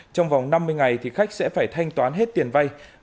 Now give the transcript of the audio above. trong vòng năm mươi ngày thì khách sẽ phải thanh toán hết tiền vay